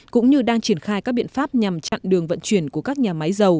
cũng như đang triển khai các biện pháp nhằm chặn đường vận chuyển của các nhà máy dầu